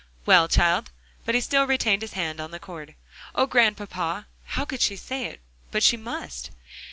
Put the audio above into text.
"Well, child," but he still retained his hand on the cord. "Oh, Grandpapa!" how could she say it! But she must.